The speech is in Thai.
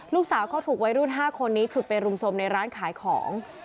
ลูกสาวเขาถูกวัยรุ่น๕คนนี้ฉุดไปรุมสมในร้านขายของ